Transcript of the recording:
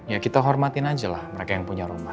ya kita hormatin aja lah mereka yang punya rumah